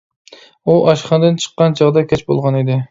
ئۇ ئاشخانىدىن چىققان چاغدا كەچ بولغان ئىدى.